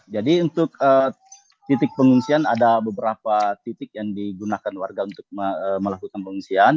jadi untuk titik pengungsian ada beberapa titik yang digunakan warga untuk melakukan pengungsian